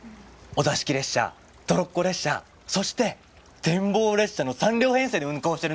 お座敷列車トロッコ列車そして展望列車の３両編成で運行してるんだって！